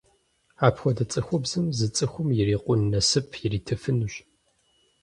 Апхуэдэ цӏыхубзым зы цӏыхум ирикъун насып иритыфынущ.